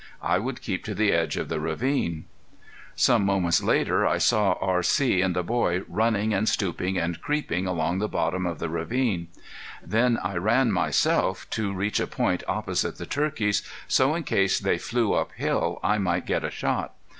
I would keep to the edge of the ravine. Some moments later I saw R.C. and the boy running and stooping and creeping along the bottom of the ravine. Then I ran myself to reach a point opposite the turkeys, so in case they flew uphill I might get a shot.